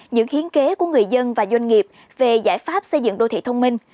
những hiến kế của người dân và doanh nghiệp về giải pháp xây dựng đô thị thông minh